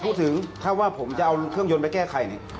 พูดถึงถ้าว่าผมจะเอาเครื่องยนต์ไปแก้ไขนี่